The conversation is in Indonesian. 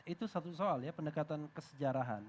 itu satu soal ya pendekatan kesejarahan